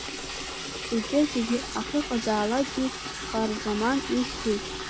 Егьырҭ зегьы ахьыҟазаалакгьы Харзаман ихьзеи?